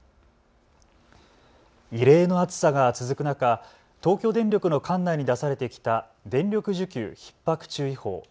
異例の暑さが続く中、東京電力の管内に出されてきた電力需給ひっ迫注意報。